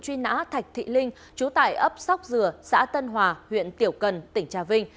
truy nã thạch thị linh chú tài ấp sóc dừa xã tân hòa huyện tiểu cần tỉnh trà vinh